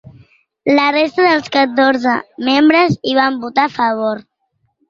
La resta dels catorze membres hi van votar a favor.